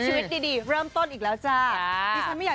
ชีวิตดีเริ่มต้นอีกแล้วจ้า